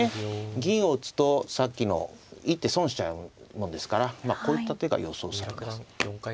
銀を打つとさっきの一手損しちゃうもんですからまあこういった手が予想されます。